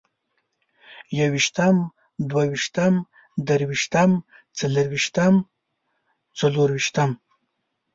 يوويشتم، دوه ويشتم، درويشتم، څلرويشتم، څلورويشتم